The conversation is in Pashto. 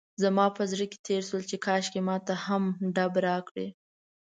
زما په زړه کې تېر شول چې کاشکې ماته هم ډب راکړي.